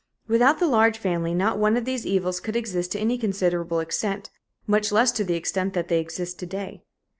Without the large family, not one of these evils could exist to any considerable extent, much less to the extent that they exist to day.